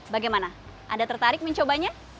bagaimana anda tertarik mencobanya